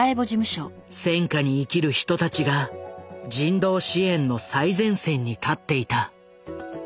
戦禍に生きる人たちが人道支援の最前線に立っていた。